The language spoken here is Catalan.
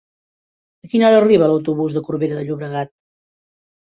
A quina hora arriba l'autobús de Corbera de Llobregat?